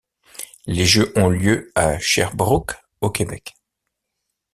Les jeux ont eu lieu à Sherbrooke, au Québec.